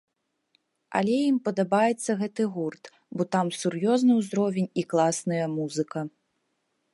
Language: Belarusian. Але ім падабаецца гэты гурт, бо там сур'ёзны ўзровень і класная музыка.